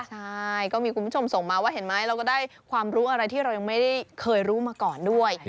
ใช่ก็มีคุณผู้ชมส่งมาว่าเห็นไหมเราก็ได้ความรู้อะไรที่เรายังไม่ได้เคยรู้มาก่อนด้วย